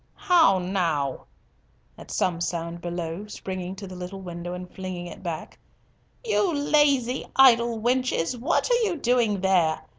How now," at some sound below, springing to the little window and flinging it back, "you lazy idle wenches—what are you doing there?